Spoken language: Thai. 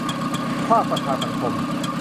ภาคประชาสังคม